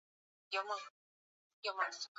mwaga maji uliyolowekea maharage yako